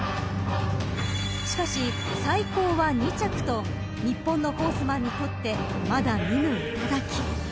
［しかし最高は２着と日本のホースマンにとってまだ見ぬ頂］